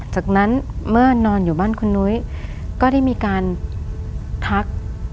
จากนั้นเมื่อนอนอยู่บ้านคุณนุ้ยก็ได้มีการทัก